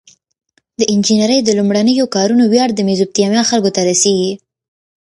د انجنیری د لومړنیو کارونو ویاړ د میزوپتامیا خلکو ته رسیږي.